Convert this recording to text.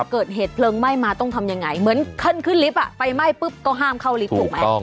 เกิดเหตุเพลิงไหม้มาต้องทำยังไงเหมือนขึ้นลิฟต์ไฟไหม้ปุ๊บก็ห้ามเข้าลิฟต์ถูกไหม